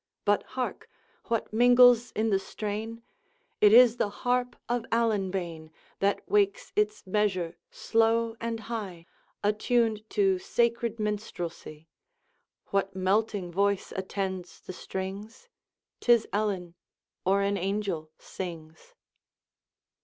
But hark! what mingles in the strain? It is the harp of Allan bane, That wakes its measure slow and high, Attuned to sacred minstrelsy. What melting voice attends the strings? 'Tis Ellen, or an angel, sings.